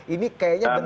ini kayaknya benar